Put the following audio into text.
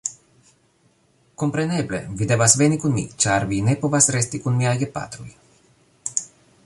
Kompreneble, vi devas veni kun mi, ĉar vi ne povas resti kun miaj gepatroj.